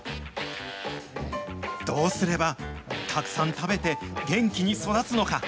どうすれば、たくさん食べて、元気に育つのか。